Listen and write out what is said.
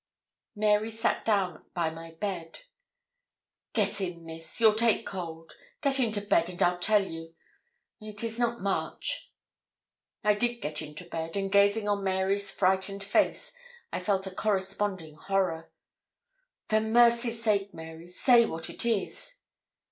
Mary sat down by my bed. 'Get in, Miss; you'll take cold. Get into bed, and I'll tell you. It is not much.' I did get into bed, and gazing on Mary's frightened face, I felt a corresponding horror. 'For mercy's sake, Mary, say what it is?'